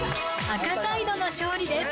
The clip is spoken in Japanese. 赤サイドの勝利です。